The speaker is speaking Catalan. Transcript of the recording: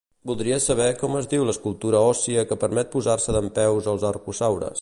Voldria saber com es diu l'estructura òssia que permet posar-se dempeus als arcosaures.